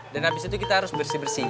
dan habis itu kita harus bersih bersih